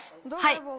はい。